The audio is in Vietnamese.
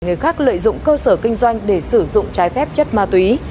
người khác lợi dụng cơ sở kinh doanh để sử dụng trái phép chất ma túy